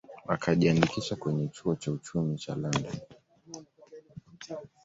Akajiandikisha kwenye chuo cha uchumi cha London